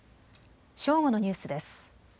正午のニュースです。